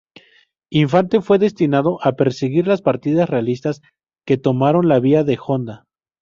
Infante fue destinado a perseguir las partidas realistas que tomaron la vía de Honda.